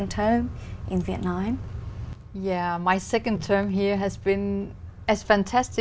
nhiều bác sĩ